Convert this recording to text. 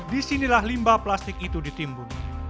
disinilah limbah plastik itu ditimbun